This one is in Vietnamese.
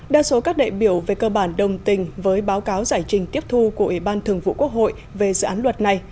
đa số các đại biểu về cơ bản đồng tình với báo cáo giải trình tiếp thu của ủy ban thường vụ quốc hội về dự án luật này